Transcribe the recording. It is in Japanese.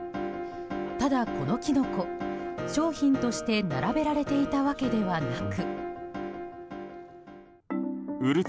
ただ、このキノコ、商品として並べられていたわけではなく。